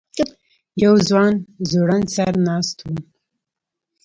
یو ځوان ځوړند سر ناست و.